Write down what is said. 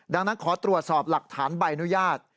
ดังนั้นขอตรวจสอบหลักฐานใบอนุญาต